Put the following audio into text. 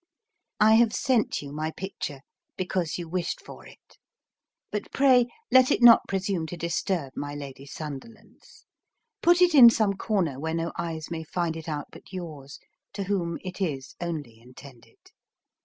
I have sent you my picture because you wished for it; but, pray, let it not presume to disturb my Lady Sunderland's. Put it in some corner where no eyes may find it out but yours, to whom it is only intended.